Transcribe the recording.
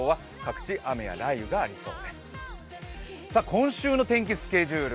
今週の天気スケジュール